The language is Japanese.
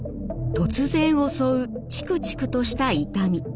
突然襲うチクチクとした痛み。